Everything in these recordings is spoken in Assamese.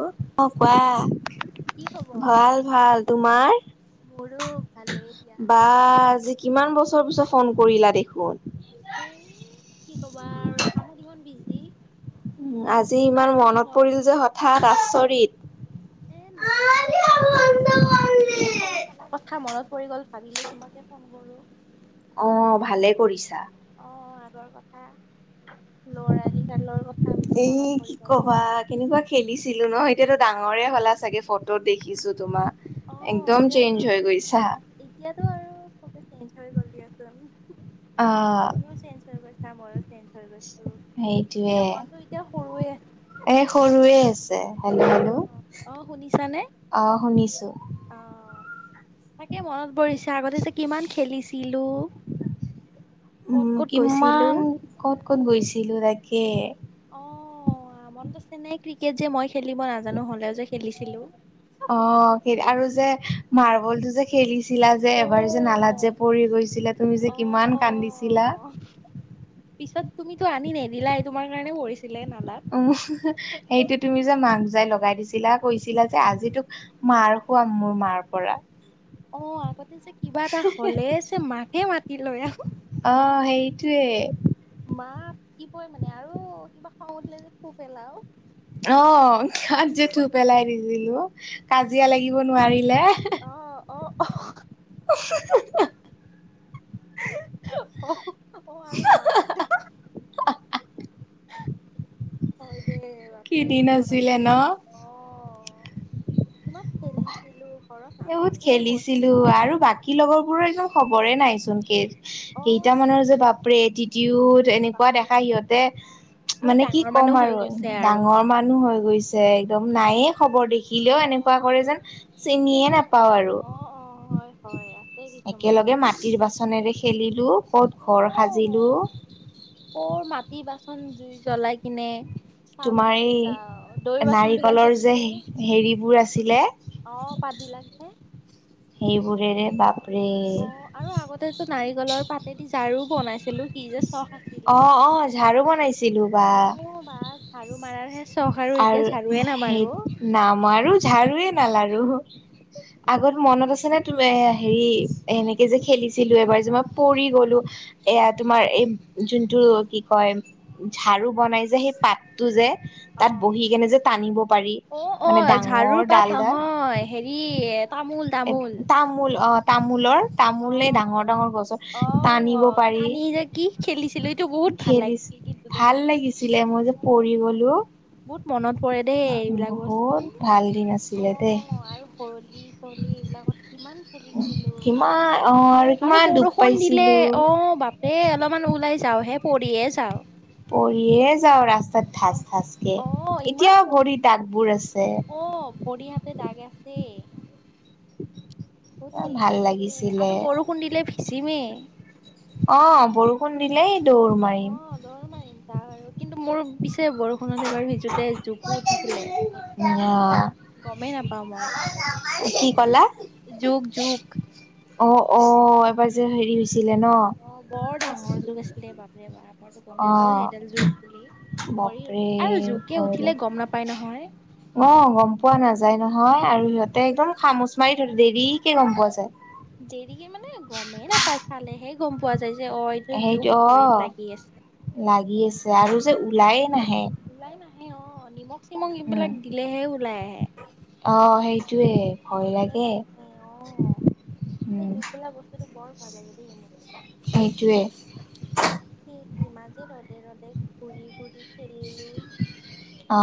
অ কি খবৰ? কি কোৱা খবৰ? ভাল ভাল তোমাৰ? মোৰো ভালেই দিয়া। বা আজি কিমান বছৰ পিছত ফোন কৰিলা দেখোন। এ কি কবা আৰু কামত ইমান বিজি? উ আজি ইমান টাইমে মনত নহয়। পৰিল যে হঠাৎ আচৰিত, এ নাইে সৰুখনৰ কথা মনত গল ভাবিলো তোমতে ফোন কৰো। অ ভালে কৰিছা। ৰ কথা ল'ৰালি কালৰ কথা বোলো এ মনত পৰি কি গ'ল। কবা কেনেকুৱা খেলিছিলো ন। এতিয়াতো ডাঙৰে হ'লা চাগে ফটোত দেখিছো তোমাক অ একদম এতিয়াতো চেইঞ্জ হৈ গৈছা। চঞ গ আছো অ তুমিও চেঞ্জ হৈ গৈছা ময়ো চেঞজ। সেইটোৱে এতিয়া সৰুৱে আছে। এ সৰুৱে হেল্ল' হেল্ল' অ অ শুনিছানে? অ শুনিছোঁ। অ তাকে মনত পৰিছে আগতে যে কিমান খেলিছিলো ক'ত উম ক'ত গৈছিলো কিমান ক'ত ক'ত গৈছিলো তাকে, অ আমন্ত চেনোই ক্ৰিকেট যে মই খেলিব নাজানো হ'লেও যে খেলিছিলোঁ। মাৰ্বল তু যে খেলিছে লা যে এবাৰ যে নালাত যে পৰি গৈছিলা তুমি যে অ কিমান কান্দিছিলা। পিছত তুমি তো আনি নেদিলাই তোমাৰ কাৰণে পৰি সেইটো তুমি যে মাক জাই লগাই দিছিলা কৈছিলা যে আজি তোক মাৰ খুৱাম মোৰ মাৰ পৰা অ আগতে যে কিবা এটা হলে যে মাকে মাতি লয় আৰু টোৱে মাক কি কয় মানে আৰু কিবা খাওঁ উঠিলে যে খুব পেলাওঁ অ গাত জে ঠু পেলাই দিছিলো। কাজিয়া লাগিব নোৱাৰিলে। অ অ অ [inaudible] অ অ আৰু মাক মাত হয় দেই কি বাপে দিন বহুত মনত আছিলে পৰে ন অ। কিমান খেলিছিলোঁ। এ বহুত খেলিছিলোঁ আৰু বাকী লগৰ বোৰৰ একদম খবৰে নাই চোন কে। অ কেইটামানৰ যে বাপৰে এটিটিউড এনেকুৱা দেখাই বাপৰে সিহঁতে। বহুত মানে কি ডাঙৰ ক'ম মানুহ হৈ আৰু গৈছে আৰু ডাঙৰ মানুহ হৈ গৈছে। একদম নায়ে খবৰ দেখিলেও অ এনেকুৱা কৰে যেন চিনিয়ে। চিনি নাপাওঁ নাপায় আৰু অ অ হয় হয় আছে কিছুমান। বোলো ক'ত অ ঘৰ সাজিলোঁ। কৰ মাটি বাচন জুই জ্বলাই কিনে। চাহ তোমাৰ বনাব যাওঁ দৈ এই বাচন বিলাক নাৰিকলৰ যে থাকে হেৰিবোৰ আছিলে। অ পাত বিলাক যে। সেইবোৰৰে বাপ অ আৰু আগতেতো নাৰিকলৰ পাতেদি ঝাৰু বনাইছিলোঁ কি যে চখ আছিলে অহ অহ অ ঝাৰু বনাইছিলোঁ বা। মাৰাৰ হে চ আৰু সেই নামৰো আৰু ঝাৰুয়ে নালাৰু। আগত মনত আছে নে তুমি হেৰি এনেকে যে খেলিছিলোঁ এবাৰ যে মই পৰি গলোঁ, এয়া তোমাৰ এই যোনটো কি কয় ঝাৰু বনাই যে সেই পাতটো যে। তাত অ বহি কেনে যে টানিব পাৰি অ অ মানে ঝাৰুৰ ডাঙৰ পাত ডাল ডাল। নহয় হেৰি তামোল এ তামোল তামোল অ তামোলৰ। তামোলে ডাঙৰ ডাঙৰ গছৰ অ অ টানিব পাৰি, টানি যে কি খেলিছিলো এইটো বহুত ভাল খেদিছে। লাগিছিল কিন্তু দেই ভাল লাগিছিলে মই যে পৰি গলোঁ। বহুত মনত পৰে দেই এইবিলাক বস্তু। ভাল দিন অ আছিলে দেই আৰু হলি চলি এইবিলাকত কিমান খেলিছিলোঁ। কিমান অ আৰু আৰু কিমান দুখ বৰষুণ দিলে পাইছিলো অ বাপে অলপমান ওলাই যাওঁহে পৰিয়ে যাওঁ। পৰিয়ে যাওঁ ৰাস্তাত অ ঠাচ ঠাচ কে, অ ইমান এতিয়াওঁ ভৰিৰ পৰিছিলো দাগবোৰ আছে। অ ভৰি হাতে দাগ আছে। বহুত ইমান ভাল খেলিছিলোঁ দেই লাগিছিলে আৰু বৰষুণ দিলে ভিজিমেই। অ বৰষুণ দিলেই দৌৰ অ মাৰিম। দৌৰ মাৰিম আৰু কিন্তু মোৰ পিছে বৰষুণত বাৰু সিজোতে জুকো উঠিছিলে। অ। গমেই নাপাওঁ মই, কি ক'লা? জোক জোক অ অ এইবাৰ যে হেৰি হৈছিলে ন অ বৰ ডাঙৰ জোক আছিলে বাপ ৰে বাপ। মইতো অ গমেই নাপাওঁ সেইডাল জুক বুলি কৰি বাপৰে আৰু জোকে ভয় উঠিলে লাগে। গম নাপায় নহয়। অ গম পোৱা নাযায় নহয় আৰু সিহঁতে একদম খামুচ মাৰি ধৰে দেৰিকে গম পোৱা যায়। দেৰিকে মানে গমেই নাপাই, খালেহে গম পোৱা যা তাৰ পিছত অ এইটো সেইটো জোক ভৰিত লাগি আছে। পিছে আৰু যে ওলাইয়ে নাহে। ওলাই নাহে অ নিমখ চিমখ উম এইবিলাক দিলেহে ওলাই আহে। সেইটোয়ে ভয় লাগে। সেই উম, জোক বোলা বস্তুটো বৰ ভয়‌ লাগে দেই সেইটোৱে মোক। কি কিমান যে ৰদে ৰদে ঘূৰি ঘূৰি খেলিলোঁ। অঁ।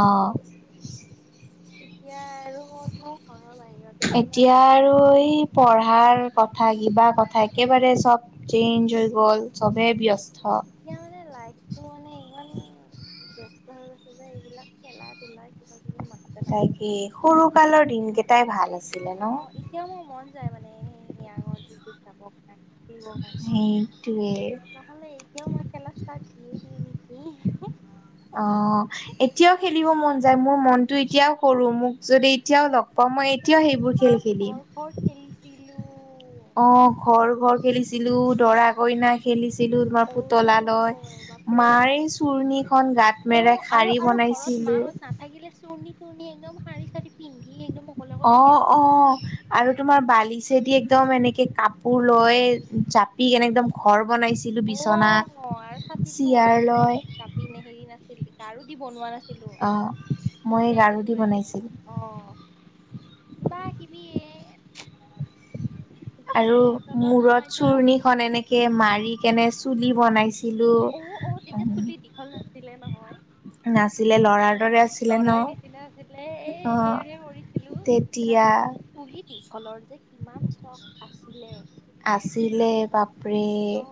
এতিয়া আৰু ক'তনো হ'য়। এতিয়া আৰু এই পঢ়া ৰাৰ কথা কিবা কথা একেবাৰে চব চেইঞ্জ হৈ গ'ল চবে ব্যস্ত। এতিয়া মানে লাইফটো মানে ইমান। ব্যস্ত হৈ আছে যে এইবিলাক খেলা ধূলা কিবা কিবি। মনতে তাকে সৰুকালৰ দিন কেইটাই ভাল আছিল। অ এতিয়াও মোৰ মন যায় মানে সেই আগৰ দিনবোৰত যাব কাৰণে। সেইটোৱে নহলে এতিয়াও মই খেলা ষ্টাৰ্ট দিয়ে দিওঁ নেকি। ইহ হি। অ এতিয়াও খেলিব মন যায় মোৰ মনটো এতিয়াও সৰু মোক যদি এতিয়াও লগ পাওঁ মই আগতে এতিয়াও সেইবোৰ খেল কিমান খেলিম। ঘৰ ঘৰ খেলি ছিলো দৰা কইনা খেলি ছিলো তোমাৰ অ পুতলা লৈ বাপৰে মাৰ এই চুৰণিখন গাঁত মেৰাই শাৰী বনাইছি লো। লাগিলে চুৰনি টুৰনি একদম শাৰী ছাৰী পিন্ধি একদম অকলে অকলে অঁ খেলি অঁ আৰু তোমাৰ বালি ত যে একদম এনেকে কাপোৰ লৈ জাপি কেনে একদম ঘৰ বনাইছিলোঁ অ বিছনাত, আৰু ছাতি দিও চিয়েৰ বনাইছিলো লৈ কি বনোৱা না অঁ মই গাৰু দি বনাইছিলো বনাইছিলোঁ। অ কিবা কিবি এ আৰু বিচনাৰ তলত সোমাই মূৰত থাকো চুৰণিখন এনেকে মাৰি কেনে চুলি বনাই ছিলোঁ। দিলে নহয়। অ ল'ৰাৰ দৰে আছিলে ন লৰাই নিচিনা আছিলে এই সেয়াহে কৰিছিলো। ৰাম দিয়া। চুলি দীঘলৰ যে কিমান চখ আছিলে। আছিলে বাপৰে। অ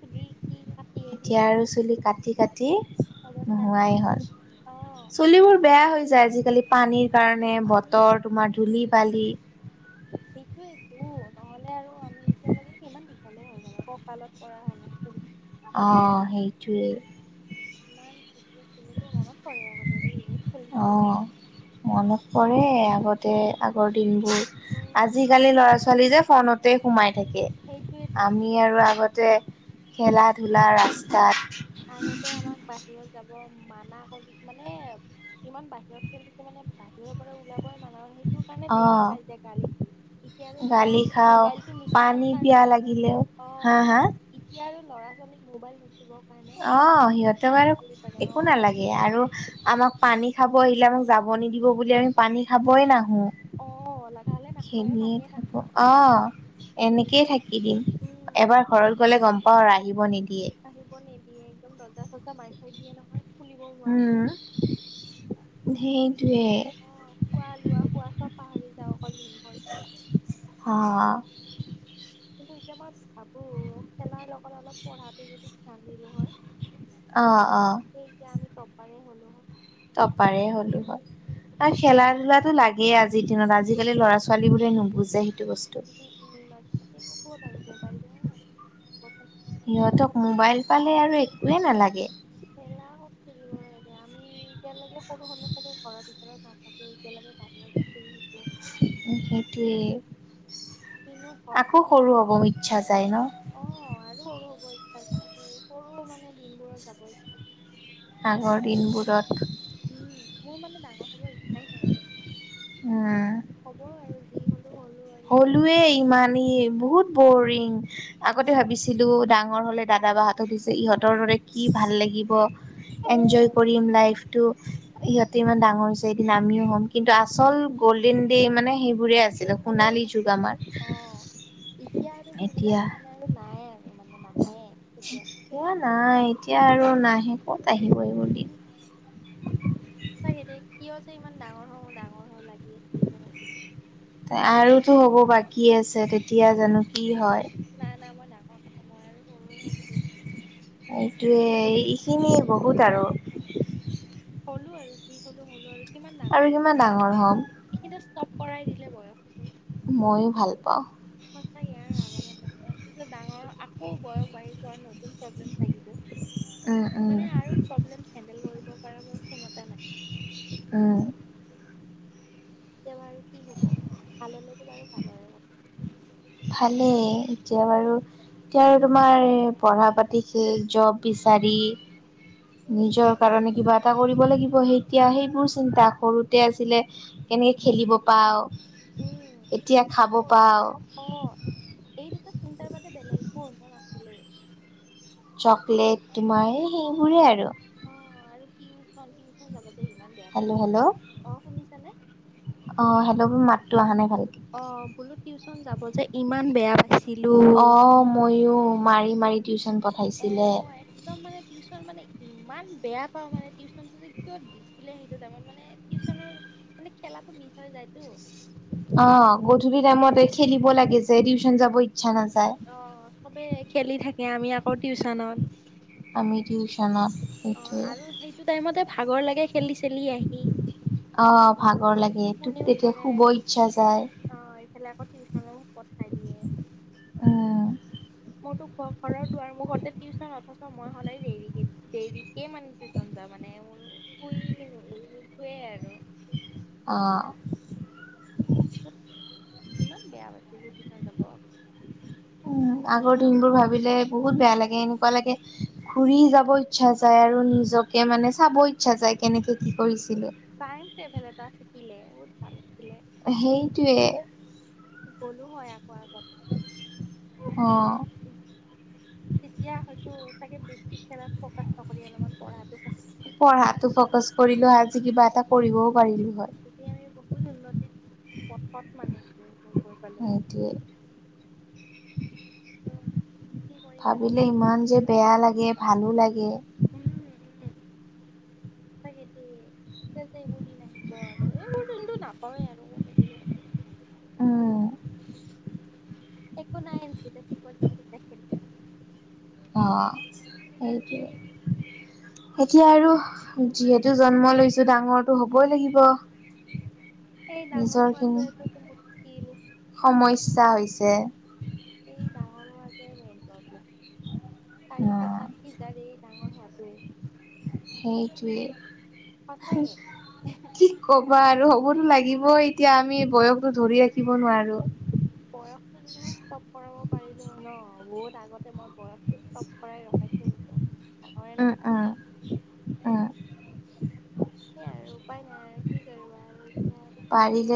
[unintelligible] এতিয়া আৰু চুলি কাটি কাটি অৱস্থা নোহোৱাই হ'ল। অ চুলিবোৰ বেয়া হৈ যায় আজি কালি পানীৰ কাৰণে, পানী খাই বতৰ উম তোমাৰ ধূলি বালি। উ নহ'লে আৰু আমি এতিয়ালৈকে কিমান দীঘলে হ'ল মানে ককালত পৰা হ'লে হয়। অহঁ সেইটোৱেই। ইমান মনত পৰে আৰু অ আগতে বহুত মনত খেলিছিলো। পৰে আগতে আগৰ দিনবোৰ, উম আজিকালি ল'ৰা ছোৱালী যে ফোনতে সোমাই থাকে। সেইটোয়েতো আমি আজিকালি আৰু আগতে খেলা ধূলা ৰাস্তাত আগতে আমাক বাহিৰত যাব মানা কৰি মানে কিমান বাহিৰত খেলিছো মানে বাহিৰৰ পৰা ওলাব ই মানা সেইটো কাৰণে অ ডেইলি কাজিয়া গালি এতিয়া আৰু ল'ৰা গালি ছোৱালীক খাওঁ মোবাইলটো নুচুবৰ পানী পিয়াহ কাৰণে লাগিলেও অ হা হা এতিয়া আৰু ল'ৰা ছোৱালীক মোবাইল নুচুব অ সিহঁতক আৰু একো অ নালাগে আৰু আমাক পানী খাব আহিলে, আমাক যাব নিদিব বুলি আমি পানী খাবই নাহো। অ', লাগাহ'লে নাখাওৱে খেলিয়ে পানীয়ে থাকো, নাখাওঁ অঁ এনেকে থাকি দিম। উম, এবাৰ ঘৰত গলে গম পাওঁ আৰু আহিব নিদিয়ে। আহিব নিদিয়ে। একদম দৰজা চৰজা মাৰি থৈ দিয়ে নহয়। খুলিবও নোৱাৰো উম, সেই অ খোৱা, লোৱা, শোৱা চব পাহৰি যাওঁ। অকল দিন ভৰ খেলা অ', কিন্তু এতিয়া মই ভাবো খেলাৰ লগত অলপ পঢ়াটো যদি ধ্যান দিলো হয়, অ', অ', সেই এতিয়া আমি ট পাৰে হ'লো হয়। টপাৰে হ'লোঁ হয়। খেলা ধূলাটো লাগেই আজিৰ দিনত। আজিকালি ল'ৰা ছোৱালী বোৰে নুবুজে। বস্তু। গোটেই খিনি লাগে। কিন্তু কত আৰু মোবাইলটোহে সিহঁতক মোবাইল পালে আৰু একোৱেই নালাগে। না খেলিবহে আমি এতিয়ালৈকে সৰু হ'লে ছাগে ঘৰৰ ভিতৰত নাথাকি এতিয়ালৈকে বাহিৰতে সেইটোৱে। কিনো ঘৰ আকৌ চিনিয়ে সৰু নাপাওঁ হ'ব ইচ্ছা যায়। ন'। অ আৰু সৰু হ'ব ইচ্ছা স সৰু মান মানে দিনবোৰত যাব ইচ্ছ আগৰ দিনবোৰত উম মোৰ মানে ডাঙৰ হবৰ ইচ্ছাই নাই একো, উম হব আৰু। যি হ'লো হ'লো আৰু কি। হ'লোৱে ইমান ই বহুত বৰিং, আগতে ভাবিছিলো ডাঙৰ হলে দাদা, বাহঁতক দিছে ইহঁতৰ দৰে কি ভাল লাগিব গিব এঞ্জয় অ', কৰিম লাইফ টো। ইিহঁতে ইমান ডাঙৰ হৈছে এদিন আমিও হ'ম, কিন্তু আচল গল্ডেন ডে মানে সেই ঘূৰি আছিলো। পোৰে অ এতিয়া আৰু সেইবিলাক দিন আৰু নাই আৰু মানে। নাহে কেতিয়াও। এয়া নাই এতিয়া আৰু নাহে। কত আহিব এই বোৰ দিন। হয় চাগেদেই কিয় যে ইমান ডাঙৰ হওঁ ডাঙৰ হ লাগি আছিল বহুত। আৰুটো হ'ব বাকী আছে, তেতিয়া জানো কি হয়? ময় আৰু সৰুৱে হৈ থাকো। এইটোৱে এইখিনিয় বহুত আৰু। হ'লো আৰু যি হ'লো হ'লো আৰু। কিমান ডাঙৰ আৰু হ'ম কিমান ডাঙৰ হ'ম। এইখিনিতে ষ্টপ কৰাই দিলে বয়সটো। ময়ো ভাল পাওঁ। সঁচাকে আৰু নালাগে মোক পিছত প্ৰব্লেম থাকিব, উম, উম, মানে আৰু প্ৰব্লেম হেণ্ডেল কৰিব। কৰা মোৰ ক্ষেমতা নাই। উম কেতিয়াবা আৰু কি হব, ভাল হলেতো বাৰু ভালৰে কথা। ভালেই এতিয়া বাৰু, এতিয়া আৰু তোমাৰ পঢ়া পাতি কেই জব বি চাৰি নিজৰ কাৰণে কিবা এটা কৰিব লাগিব, সেইতিয়া সেইবোৰ চিন্তা সৰুতে আছিলে। এনেই খেলিব পাও। কথা উম এতিয়া খাব পাওঁ। অ পঢ়িবা নাছিলে। চকলেট তোমাৰ সেইবোৰে আৰু। অ আৰু কি হৈ নটিখন যাবলে ইমান বেয়া পাই, হেল্ল' হেল্ল' অ শুনিছানে? অ হেল্ল' মোৰ মাতটো অহা নাই ভালকে অ বোলো টিউচন যাব যে ইমান বেয়া। অ পাইছিলো। মইও মা মাই টিউশচন। অ একদম মানে টিউচন মানে ইমান বেয়া পাও মানে, টিউচনতটো যে কত দিছিলে সেইটো তামত মানে, টিউচনৰ মানে খেলাটো মিচ হৈ যায়তো অ গধূলি টাইমত এ খেলিব লাগে যে, টিউশচন যাব। ইচ্ছা নাযায় অ চবে খেলি থাকে, আমি আকৌ টিউচনত। আমি টিউচনত। অ সেইটোৱে আৰু সেইটো টাইমতে ভাগৰ লাগে খেলি চেলি আহি। অহ ভাগৰ লাগে তোকেত আৰু টোপনিও তেতিয়া ধৰে শুব ইচ্ছা যায়। টিউচন ও পঠাই দিয়ে। অ মোৰতো ঘৰৰ দুৱাৰ মুখত এ টিউচন অথচ মই সদায় দেৰি দেৰিকে মানে টিউচন যাও মানে মোৰ শুই ন শোৱে আৰু অ ইমান বেয়া লাগে থিউচন যাব। উম, আগৰ দিনবোৰ ভাবিলে বহুত বেয়া লাগে এনেকুৱা লাগে ঘুৰি যাব ইচ্ছা যায় আৰু নিজক এতিয়া মানে চাব ইচ্ছা যায় কেনেকে কি কৰিছে তিইম ট্ৰেভেল এটা থাকিলে বহুত ভাল আছিল। সেইটোৱে ক'লো হয় আকৌ আগত কি অ'। তেতিয়া হয়তো চাগে বেচি খেলাট ফ্ৰকাছ নকৰি অলপমান পঢ়টো ফ্ৰকাছ পঢ়াটো ফ্ৰকাস কৰিলোও আজি কি কৰিবও পাৰিলি তেতিয়া আমি বহুত উন্নতিত পথত মানে। উম উম গৈ পালোঁ। সেইটোৱে। কৰিম আৰু ভাবিলে উপায় ইমান যে বেয়া লাগে ভালো লাগে। উম উম চাগে দেই এইবোৰ দিন আহিব আৰু এইবোৰ দিনটো নাপাওৱেই আৰু কত আহিব। উম একো নাই যেতিয়া থিক যাম তেতিয়া খেলিম। অ সেইটোৱে। এতিয়া আৰু যিহেতু জন্ম লৈছো ডাঙৰটো হবই লাগিব। [inaudible] ডাঙৰ নিজৰ খিনি হোৱাটোৱেতো মুস্কিল সমস্যা হৈছে। সেইটো মেইন প্ৰব্লেম আহ চাৰিফাকাত কি যাৰ ডাঙৰ হোৱাটোৱেই সেইটোৱে সঁচাকে কি কবা আৰু হ'বতো লাগ- থাগিব এতিয়া আমি বয়সতটো ধৰি ৰাখিব নোৱাৰো। বয়সটো যদি মই চব কৰাব পাৰিলো ন বহুত আগত মই বয়টো চব কৰাই ৰখাই থৈ দিলো ডাঙৰে উম নহওঁ। উম উম। সেইয়াই আৰু উপায় নাই আৰু কি কৰিবা আৰু এতিয়াতো কোনোৱে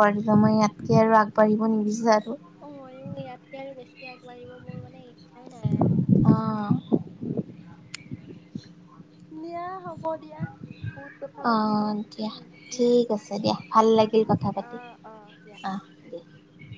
পৰিকমই ইয়াতকে আৰু আগবাঢ়িব নিবিচাৰু অ মই ইয়াতকে আৰু বেছি আগবাঢ়িব মোৰ মানে নাই আৰু অ দিয়া হ'ব দিয়া বহুত কথা অ পাতিলো দিয়া উম উম ঠিক আছে দিয়া ভাল লাগিল কথা অ পাতি অ দিয়া আহ। [unintelligible]